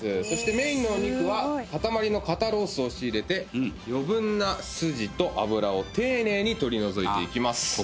そしてメインのお肉は塊の肩ロースを仕入れて余分な筋と脂を丁寧に取り除いていきます。